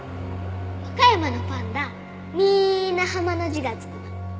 和歌山のパンダみんな「浜」の字が付くの。